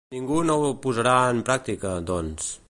Ningú no ho posarà en pràctica, doncs.